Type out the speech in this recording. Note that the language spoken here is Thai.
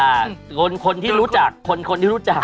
คนคนที่รู้จักคนคนที่รู้จัก